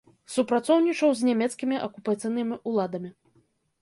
Супрацоўнічаў з нямецкімі акупацыйнымі ўладамі.